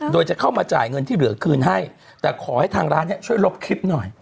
โดยจะเข้ามาจ่ายเงินที่เหลือคืนให้แต่ขอให้ทางร้านเนี่ยช่วยลบคลิปหน่อย